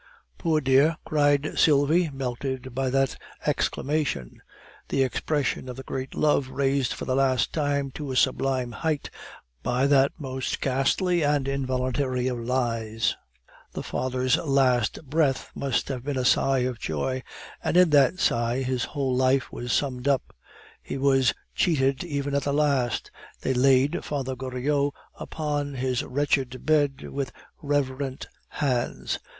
"Poor dear!" cried Sylvie, melted by that exclamation; the expression of the great love raised for the last time to a sublime height by that most ghastly and involuntary of lies. The father's last breath must have been a sigh of joy, and in that sigh his whole life was summed up; he was cheated even at the last. They laid Father Goriot upon his wretched bed with reverent hands.